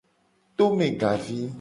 Tome gavi.